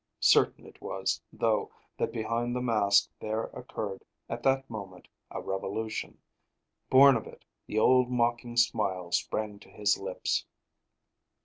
Certain it was, though, that behind the mask there occurred, at that moment, a revolution. Born of it, the old mocking smile sprang to his lips.